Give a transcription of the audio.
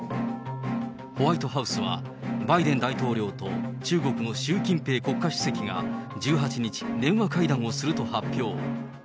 ホワイトハウスは、バイデン大統領と中国の習近平国家主席が１８日、電話会談をすると発表。